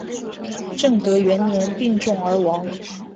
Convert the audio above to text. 正德元年病重而亡。